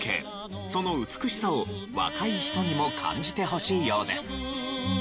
その美しさを若い人にも感じてほしいようです。